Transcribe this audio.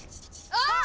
あっ！